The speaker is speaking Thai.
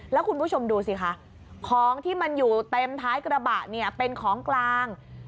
แล้วคุณผู้ชมดูสิคะของที่มันอยู่เต็มท้ายกระบะเนี่ยเป็นของกลาง